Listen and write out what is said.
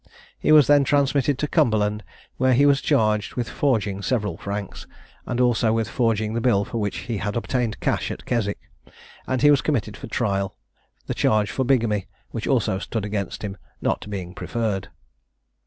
He was then transmitted to Cumberland, where he was charged with forging several franks, and also with forging the bill for which he had obtained cash at Keswick, and he was committed for trial; the charge for bigamy, which also stood against him, not being preferred.